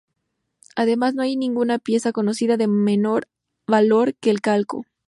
Además, no hay ninguna pieza conocida de menor valor que el calco.